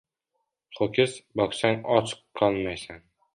• Ho‘kiz boqsang och qolmaysan.